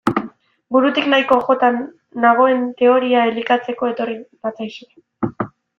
Burutik nahiko jota nagoen teoria elikatzeko etorri natzaizue.